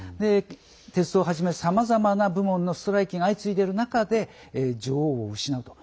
鉄道をはじめさまざまな部門のストライキが続いている中で女王を失うと。